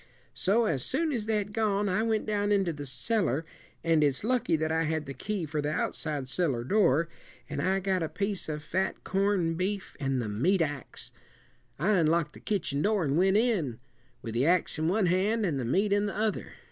So as soon as they'd gone, I went down into the cellar and it's lucky that I had the key for the outside cellar door and I got a piece of fat corn beef and the meat ax. I unlocked the kitchen door and went in, with the ax in one hand and the meat in the other.